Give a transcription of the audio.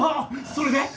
それで？